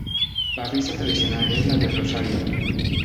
La fiesta tradicional es la del Rosario.